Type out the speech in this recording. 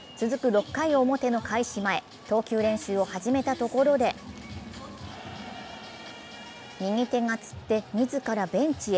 ６回表の開始前、投球練習を始めたところで右手がつって自らがベンチへ。